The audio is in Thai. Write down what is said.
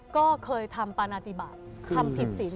ก็เคยทำปานาติบัติทำผิดศีล